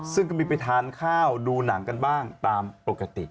ซึ่งก็มีไปทานข้าวดูหนังกันบ้างตามปกติ